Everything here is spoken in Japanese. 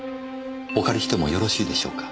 お借りしてもよろしいでしょうか。